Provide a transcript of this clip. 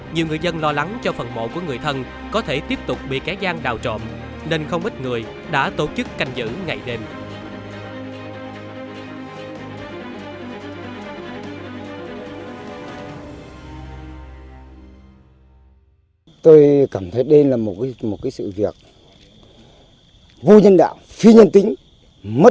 nhiều người dân lo lắng cho phần mộ của người thân có thể tiếp tục bị kẻ giang đào trộm nên không ít người đã tổ chức canh giữ ngày đêm